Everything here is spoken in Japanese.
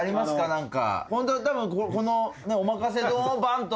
何か。